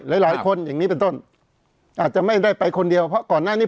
หลายคนอย่างนี้เป็นต้นอาจจะไม่ได้ไปคนเดียวเพราะก่อนหน้านี้